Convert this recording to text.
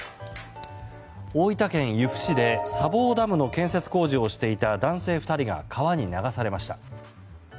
大分県由布市で砂防ダムの建設工事をしていた男性２人が川に流されました。